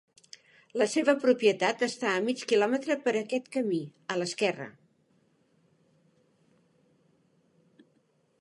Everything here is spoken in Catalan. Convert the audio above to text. La seva propietat està a mig quilòmetre per aquest camí, a l"esquerra.